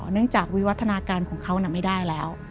เนื่องจากวิวัฒนาการของเขาไม่ได้แล้ว